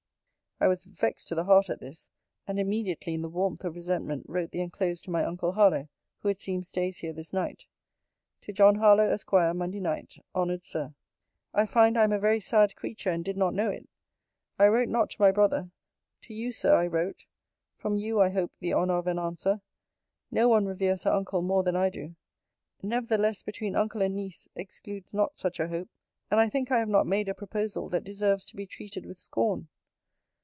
I was vexed to the heart at this: and immediately, in the warmth of resentment, wrote the enclosed to my uncle Harlowe; who it seems stays here this night. TO JOHN HARLOWE, ESQ. MONDAY NIGHT. HONOURED SIR, I find I am a very sad creature, and did not know it. I wrote not to my brother. To you, Sir, I wrote. From you I hope the honour of an answer. No one reveres her uncle more than I do. Nevertheless, between uncle and niece, excludes not such a hope: and I think I have not made a proposal that deserves to be treated with scorn.